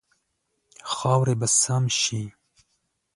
خاورې به سم شي.